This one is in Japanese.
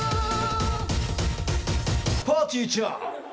ぱーてぃーちゃん。